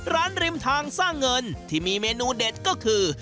ริมทางสร้างเงินที่มีเมนูเด็ดก็คือ